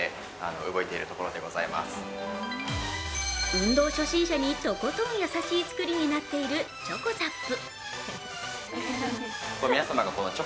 運動初心者にとことん優しい作りになっているｃｈｏｃｏＺＡＰ。